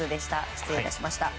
失礼致しました。